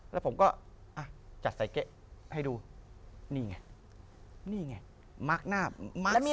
แล้วผมก็อ่ะจัดใส่เก๊ะให้ดูนี่ไงนี่ไงมาร์คหน้ามัก